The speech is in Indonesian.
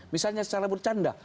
misalnya secara bercanda